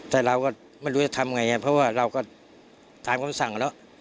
แต่เราก็ไม่รู้จะทำอย่างไรเพราะเราก็ตามเขาสั่งแล้ว